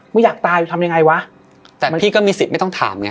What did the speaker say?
ไม่อยากตายทำยังไงวะแต่บางทีก็มีสิทธิ์ไม่ต้องถามไง